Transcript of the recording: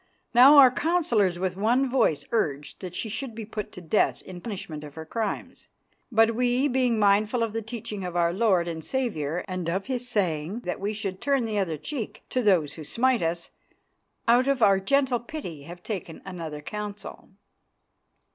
"'Now our Councillors with one voice urged that she should be put to death in punishment of her crimes, but we, being mindful of the teaching of our Lord and Saviour and of His saying that we should turn the other cheek to those who smite us, out of our gentle pity have taken another counsel.